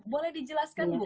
boleh dijelaskan bu